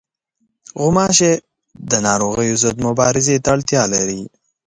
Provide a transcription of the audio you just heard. غوماشې د ناروغیو ضد مبارزې ته اړتیا لري.